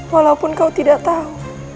walaupun kau tidak tahu